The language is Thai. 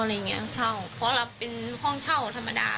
เช่าเพราะเราเป็นห้องเช่าธรรมดา